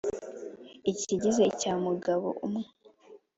Ikigize icya Mugabo-umwe.